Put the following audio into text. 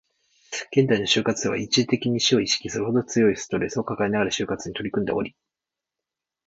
現代の就活生は、一時的に死を意識するほど強いストレスを抱えながら就活に取り組んでおり